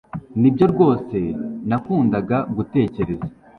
Nibyo rwose nakundaga gutekereza